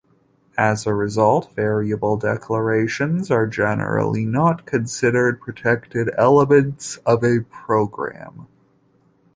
As a result, variable declarations are generally not considered protected elements of a program.